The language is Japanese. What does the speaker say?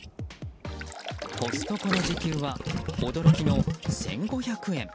コストコの時給は驚きの１５００円。